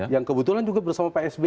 yang kebetulan juga bersama psb